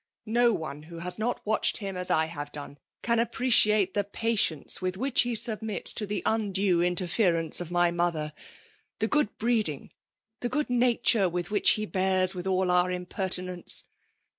No one wka hm not vmtched biin as I have done* can ap|ttedate tlie patience ynih which he submits to the undue interference of my mother ;— the good breeding, the good nature, — irith which he boars with all our impertinence.